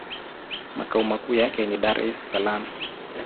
Makao makuu yake ni Dar-es-Salaam.